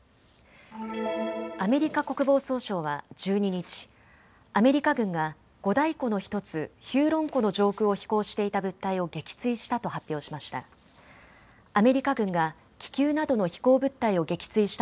アメリカ国防総省は１２日、アメリカ軍が五大湖の１つヒューロン湖の上空を飛行していた物体を撃墜したと発表しました。